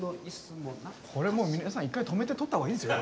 これもう皆さん一回止めて撮った方がいいですよ。